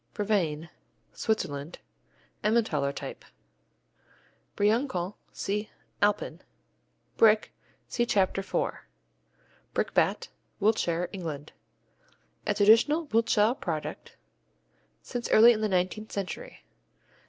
Brevine Switzerland Emmentaler type. Briançon see Alpin. Brick see Chapter 4. Brickbat Wiltshire, England A traditional Wiltshire product since early in the eighteenth century.